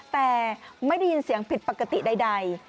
แต่ไม่ได้ยินเสียงผิดปกติใด